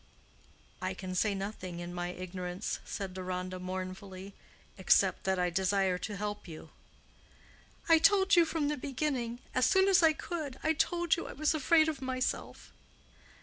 "I can say nothing in my ignorance," said Deronda, mournfully, "except that I desire to help you." "I told you from the beginning—as soon as I could—I told you I was afraid of myself."